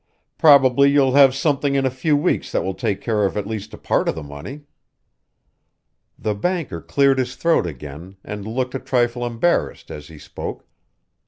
Probably you'll have something in a few weeks that will take care of at least a part of the money." The banker cleared his throat again, and looked a trifle embarrassed as he spoke.